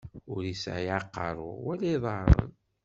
Ur isɛi aqeṛṛu, wala iḍaṛṛen.